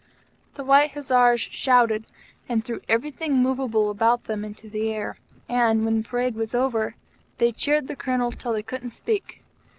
The White Hussars shouted, and threw everything movable about them into the air, and when the parade was over, they cheered the Colonel till they couldn't speak.